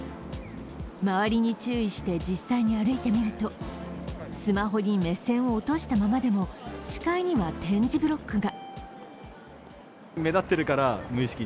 周りに注意して実際に歩いてみるとスマホに目線を落としたままでも視界には点字ブロックが。